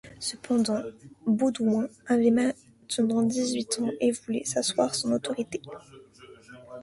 Cependant, Baudouin avait maintenant dix-huit ans et voulait asseoir son autorité.